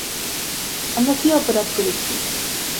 আমরা কী অপরাধ করেছি?